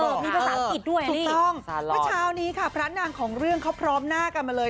เออมีภาษาศักดิ์ด้วยอ่ะนี่วันชาวนี้ค่ะพระนางของเรื่องเขาพร้อมหน้ากันมาเลย